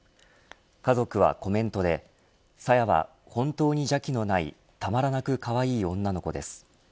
家族はコメントでさやは本当に邪気のないたまらなくかわいい女の子です。